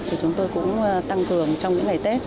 thì chúng tôi cũng tăng cường trong những ngày tết